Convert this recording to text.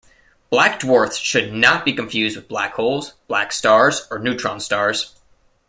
Black dwarfs should not be confused with black holes, black stars, or neutron stars.